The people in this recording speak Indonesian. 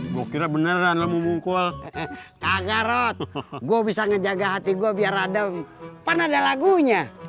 gue kira beneran lo mungkol kaget gue bisa ngejaga hati gue biar adam pernah ada lagunya